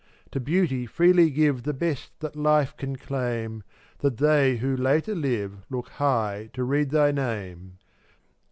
To beauty freely give The best that life can claim, That they who later live Look high to read thy name.